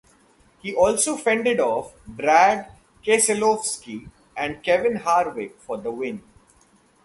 He also fended off Brad Keselowski and Kevin Harvick for the win.